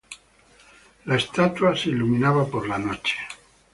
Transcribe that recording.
La estatua se iluminaba por la noche.